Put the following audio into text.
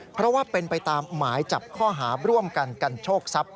เพราะว่าเป็นไปตามหมายจับข้อหาร่วมกันกันโชคทรัพย